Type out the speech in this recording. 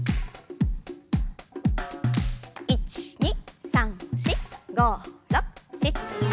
１２３４５６７８。